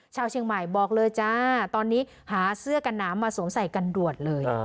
ชาวเชียงใหม่บอกเลยจ้าตอนนี้หาเสื้อกันหนาวมาสวมใส่กันด่วนเลย